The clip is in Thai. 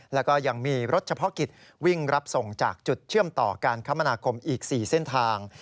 แล้วก็ยังมีรถเฉพาะกิจวิ่งรับส่งจากจุดเชื่อมต่อการคมนาคมอีก๔เส้นทาง